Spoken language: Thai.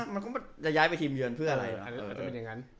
มันก็จะย้ายไปทีมเยินเพื่ออะไร